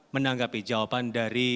menanggapi jawaban dari